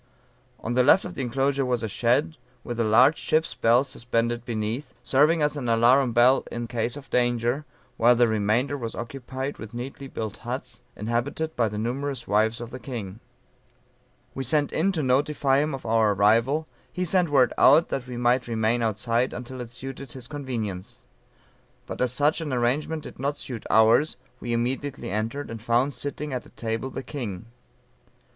On the left of the enclosure was a shed, with a large ship's bell suspended beneath, serving as an alarum bell in case of danger, while the remainder was occupied with neatly built huts, inhabited by the numerous wives of the king. "We sent in to notify him of our arrival; he sent word out that we might remain outside until it suited his convenience. But as such an arrangement did not suit ours, we immediately entered, and found sitting at a table the king.